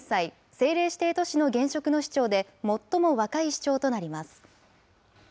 政令指定都市の現職の市長で最も若い市長となります。